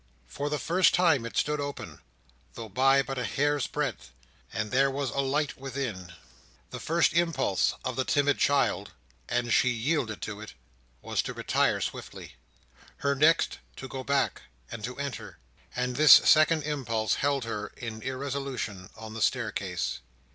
For the first time it stood open, though by but a hair's breadth: and there was a light within. The first impulse of the timid child—and she yielded to it—was to retire swiftly. Her next, to go back, and to enter; and this second impulse held her in irresolution on the staircase.